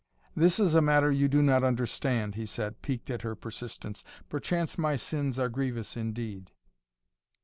"This is a matter you do not understand," he said, piqued at her persistence. "Perchance my sins are grievous indeed."